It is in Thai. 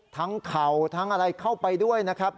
เข่าทั้งอะไรเข้าไปด้วยนะครับ